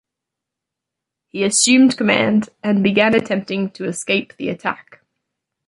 He assumed command and began attempting to escape the attack.